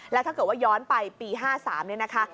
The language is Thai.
แล้วถ้าเกิดว่าย้อนไปปี๕๓เนี่ยนะคะ